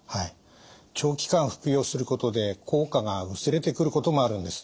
長期間服用することで効果が薄れてくることもあるんです。